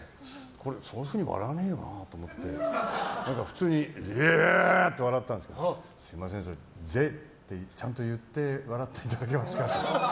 そういうふうに笑わねえよなって思って普通に笑ったんですけどすみませんぜってちゃんと言って笑っていただけますかって。